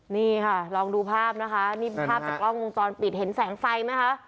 นี่ค่ะลองดูภาพนะคะนี่ภาพจากกล้องวงจรปิดเห็นแสงไฟไหมคะ